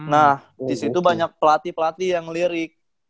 nah disitu banyak pelatih pelatih yang lirik